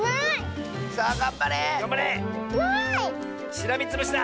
しらみつぶしだ！